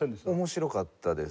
面白かったです。